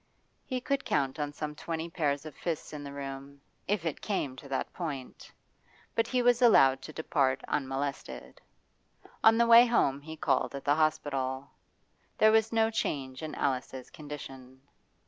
He could count on some twenty pairs of fists in the room, if it came to that point; but he was allowed to depart unmolested. On the way home he called at the hospital. There was no change in Alice's condition.